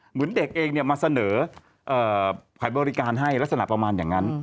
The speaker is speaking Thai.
เหมือนเด็กเองมาเสนอขายบริการให้ลักษณะประมาณอย่างนั้น